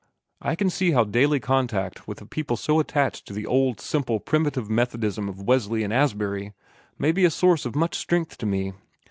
I can see how daily contact with a people so attached to the old, simple, primitive Methodism of Wesley and Asbury may be a source of much strength to me.